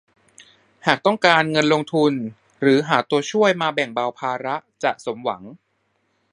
หากต้องการเงินลงทุนหรือหาตัวช่วยมาแบ่งเบาภาระจะสมหวัง